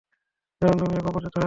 যেমন তুমি এক অপরিচিত হয়ে করেছো।